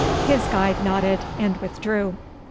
His guide nodded, and withdrew.